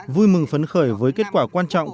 vui mừng phấn khởi với kết quả quan trọng